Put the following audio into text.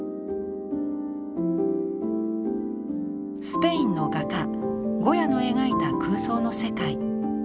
スペインの画家ゴヤの描いた空想の世界。